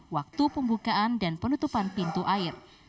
waktu pembukaan dan penutupan pintu air